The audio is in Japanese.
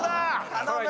頼む！